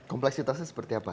kompleksitasnya seperti apa